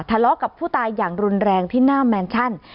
ทะเลาะกับผู้ตายอย่างรุนแรงที่หน้าแมนชั่น